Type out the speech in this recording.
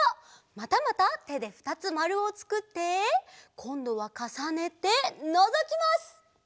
またまたてでふたつまるをつくってこんどはかさねてのぞきます！